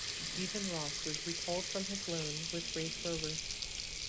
Ethan Ross was recalled from his loan with Raith Rovers.